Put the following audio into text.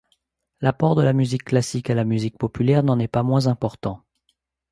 L'apport de la musique classique à la musique populaire n'en est pas moins important.